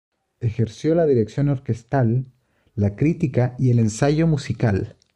Ejerció la dirección orquestal, la crítica y el ensayo musical.